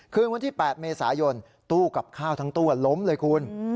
คืนวันที่๘เมษายนตู้กับข้าวทั้งตู้ล้มเลยคุณ